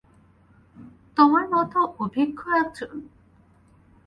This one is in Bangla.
তোমার মত অভিজ্ঞ একজন?